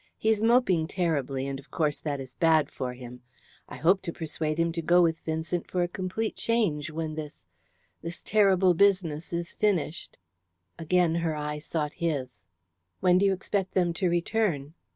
He is moping terribly, and of course that is bad for him. I hope to persuade him to go with Vincent for a complete change when this this terrible business is finished." Again her eye sought his. "When do you expect them to return?"